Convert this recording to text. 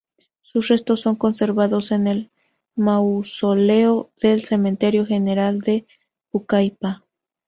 Sus restos son conservados en el mausoleo del cementerio general de Pucallpa.